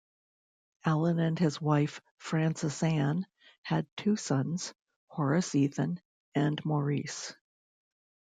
Allen and his wife, Frances Ann, had two sons, Horace Ethan and Maurice.